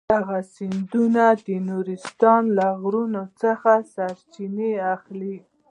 دغه سیندونه د نورستان له غرونو څخه سرچینه اخلي.